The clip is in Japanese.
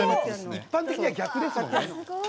一般的には逆ですよね。